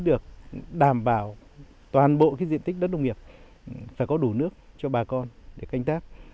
được đảm bảo toàn bộ diện tích đất nông nghiệp phải có đủ nước cho bà con để canh tác